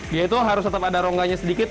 dia itu harus tetap ada rongganya sedikit